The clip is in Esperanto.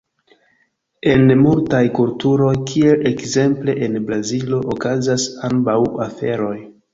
En multaj kulturoj, kiel ekzemple en Brazilo, okazas ambaŭ aferoj.